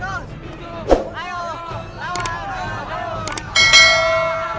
jangan lupa kalian semua kalah dengan seorang perempuan